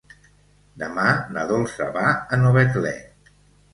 Demà na Dolça va a Novetlè.